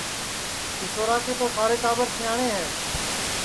کیشورا کے تو سارے ٹاٻر سیاٹؔے ہے